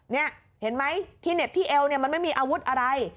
นี่เห็นไหมที่เหน็บที่เอวเนี่ยมันไม่มีอาวุธอะไร